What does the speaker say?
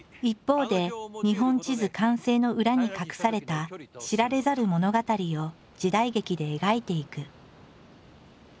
一方で日本地図完成の裏に隠された知られざる物語を時代劇で描いていく。